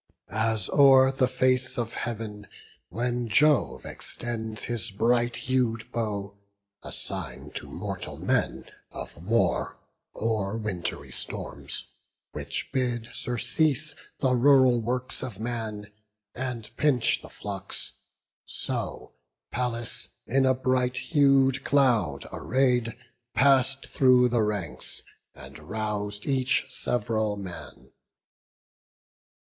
As o'er the face of Heav'n when Jove extends His bright hued bow, a sign to mortal men Of war, or wintry storms, which bid surcease The rural works of man, and pinch the flocks; So Pallas, in a bright hued cloud array'd, Pass'd through the ranks, and rous'd each sev'ral man.